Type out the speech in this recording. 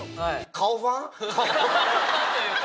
顔ファンというか。